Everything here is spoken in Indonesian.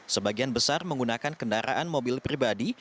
sebagian besar menggunakan kendaraan mobil pribadi